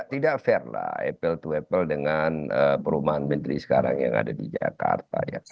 tidak fair lah apple to apple dengan perumahan menteri sekarang yang ada di jakarta